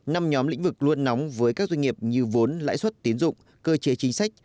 năm nhóm lĩnh vực luôn nóng với các doanh nghiệp như vốn lãi suất tiến dụng cơ chế chính sách